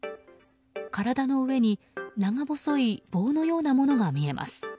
体の上に長細い棒のようなものが見えます。